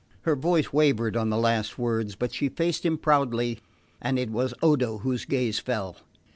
Her voice wavered on the last words, but she faced him proudly, and it was Odo whose gaze fell.